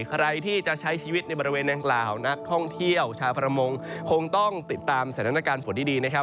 ใครที่จะใช้ชีวิตในบริเวณนางกล่าวนักท่องเที่ยวชาวประมงคงต้องติดตามสถานการณ์ฝนดีนะครับ